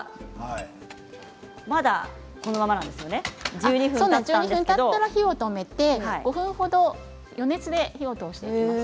１２分たったら火を止めて５分ほど余熱で火を通します。